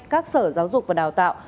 các sở giáo dục và đào tạo